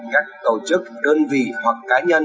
các tổ chức đơn vị hoặc cá nhân